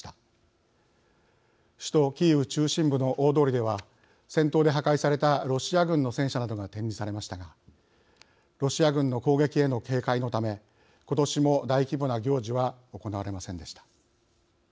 首都キーウ中心部の大通りでは戦闘で破壊されたロシア軍の戦車などが展示されましたがロシア軍の攻撃への警戒のため今年も大規模な行事は行われませんでした。